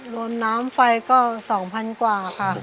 รวมน้ำไฟก็๒๐๐๐กว่าค่ะ